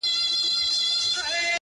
فکر مي وران دی حافظه مي ورانه “